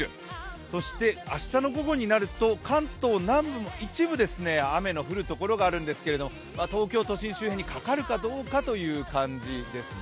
そして明日の午後になると関東南部、一部、雨の降るところがあるんですけど東京都心周辺にかかるかどうかというところですね。